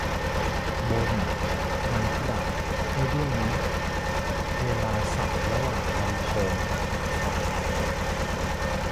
บน มันปรับ ให้ด้วยนะ เวลาสับระหว่างลำโพงกับหูฟัง